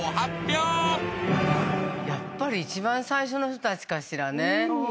やっぱり一番最初の人たちかしらね。